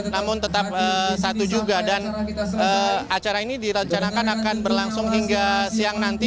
namun tetap satu juga dan acara ini direncanakan akan berlangsung hingga siang nanti